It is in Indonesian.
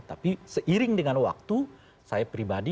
tapi seiring dengan waktu saya pribadi